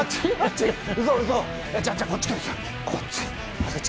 こっち？